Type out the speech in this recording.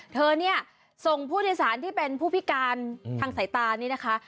เธอเนี่ยส่งผู้โดยสารที่เป็นผู้พิการทางสายตานี่นะคะ